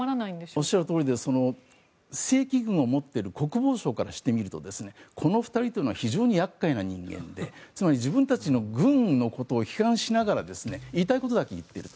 おっしゃるとおりで正規軍を持っている国防省からしてみるとこの２人というのは非常に厄介な人間でつまり、自分たちの軍のことを批判しながら言いたいことだけ言っている。